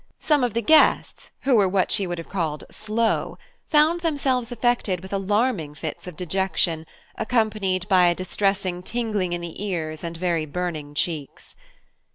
Some of the guests, who were what she would have called "slow," found themselves affected with alarming fits of dejection, accompanied by a distressing tingling in the ears and very burning cheeks.